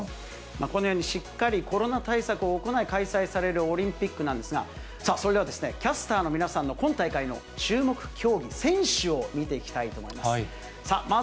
このように、しっかりコロナ対策を行い、開催されるオリンピックなんですが、さあ、それではキャスターの皆さんの今大会の注目競技、選手を見ていきたいと思います。